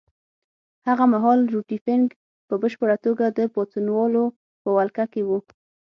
هغه مهال روټي فنک په بشپړه توګه د پاڅونوالو په ولکه کې وو.